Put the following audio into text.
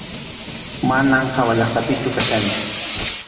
Manam hawallaqtapichu kachkanchik.